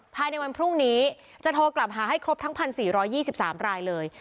ภายในวันพรุ่งนี้จะโทรกลับหาให้ครบทั้ง๑๔๒๓รายเลย